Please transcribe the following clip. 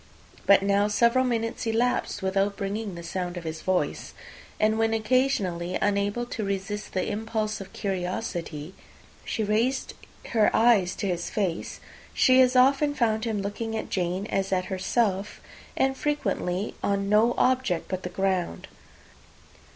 But now several minutes elapsed, without bringing the sound of his voice; and when occasionally, unable to resist the impulse of curiosity, she raised her eyes to his face, she as often found him looking at Jane as at herself, and frequently on no object but the ground.